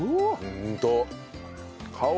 ホント。